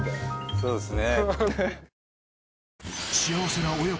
そうっすね。